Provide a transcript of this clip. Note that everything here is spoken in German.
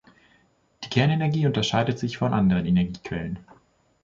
Die Kernenergie unterscheidet sich von anderen Energiequellen.